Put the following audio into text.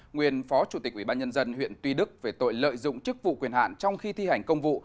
nguyên phó chủ tịch ủy ban nhân dân huyện tuy đức về tội lợi dụng chức vụ quyền hạn trong khi thi hành công vụ